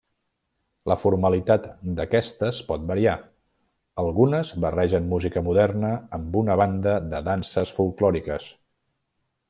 La formalitat d’aquestes pot variar: algunes barregen música moderna amb una banda de danses folklòriques.